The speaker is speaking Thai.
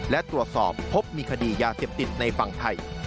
และตรวจสอบพบมีคดียาเสพติดในฝั่งไทย